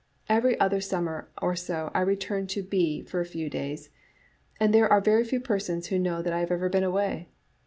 Every other summer or so I return to B for a few days, and there are very few persons who know that I have ever been away.